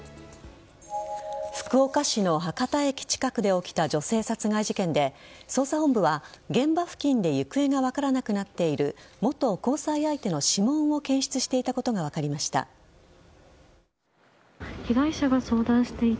福岡市の博多駅近くで起きた女性殺害事件で捜査本部は、現場付近で行方が分からなくなっている元交際相手の指紋を検出していたことが分かりました。